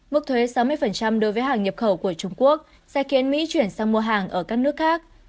mức thuế sáu mươi đối với hàng nhập khẩu của trung quốc sẽ khiến mỹ chuyển sang mua hàng ở các nước khác